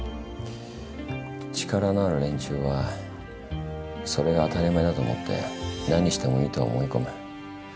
力のある連中はそれが当たり前だと思って何してもいいと思い込む。